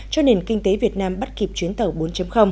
cho nền kinh tế việt nam bắt kịp chuyến tàu bốn